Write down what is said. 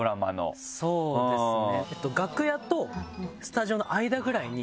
そうですね。